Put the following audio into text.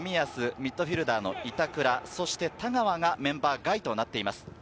ミッドフィルダーの板倉、そして田川がメンバー外となっています。